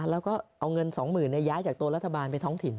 แล้วก็เอาเงินสองหมื่นเนี่ยย้ายจากตัวรัฐบาลไปท้องถิ่น